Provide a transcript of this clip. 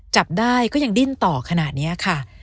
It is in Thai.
จับได้ก็ยังดิ้นต่อขนาดนี้ค่ะ